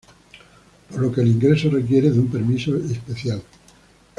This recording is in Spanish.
Por lo que el ingreso requiere de un permiso de especial.